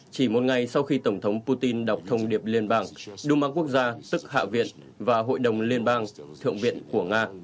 chỉ một ngày sau khi tổng thống putin đọc thông điệp liên bang duma quốc gia tức hạ viện và hội đồng liên bang thượng viện của nga